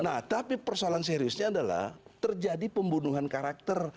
nah tapi persoalan seriusnya adalah terjadi pembunuhan karakter